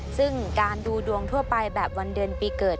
ซึ่งการดูดวงทั่วไปแบบวันเดือนปีเกิด